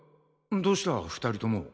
どうした２人とも。